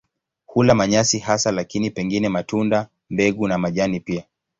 Hula manyasi hasa lakini pengine matunda, mbegu na majani pia.